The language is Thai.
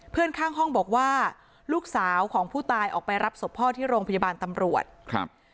เพื่อนข้างห้องบอกว่าลูกสาวของผู้ตายออกไปรับศพพ่อที่โรงพยาบาลตำรวจครับ